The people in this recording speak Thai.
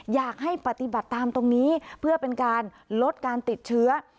อยากให้ปฏิบัติตามตรงนี้เพื่อเป็นการลดการติดเชื้อ